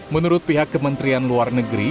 menurut pihak kementerian luar negeri